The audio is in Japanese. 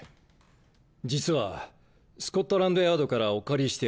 実はスコットランドヤードからお借りしてある。